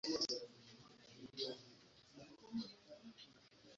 munsi y'ikirunga cya Muhabura hakorerwa ubuhinzi